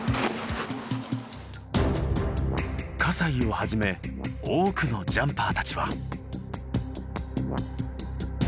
西をはじめ多くのジャンパーたちは。